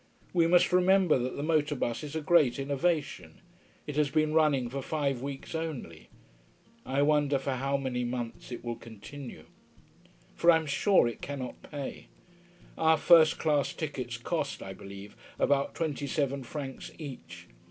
We must remember that the motor bus is a great innovation. It has been running for five weeks only. I wonder for how many months it will continue. For I am sure it cannot pay. Our first class tickets cost, I believe, about twenty seven francs each.